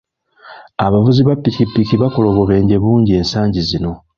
Abavuzi ba ppikipiki bakola obubenje bungi ensangi zino.